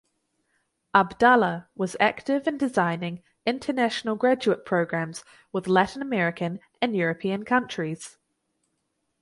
Abdallah was active in designing international graduate programs with Latin American and European countries.